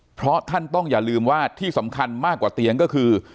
เพราะท่านต้องอย่าลืมว่าที่สำคัญมากกว่าเตียงก็คือ